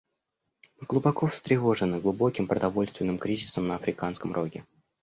Мы глубоко встревожены глубоким продовольственным кризисом на Африканском Роге.